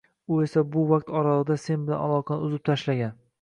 U esa bu vaqt oralig‘ida sen bilan aloqani uzib tashlagan.